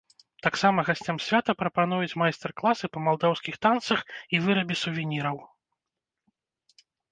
Таксама гасцям свята прапануюць майстар-класы па малдаўскіх танцах і вырабе сувеніраў.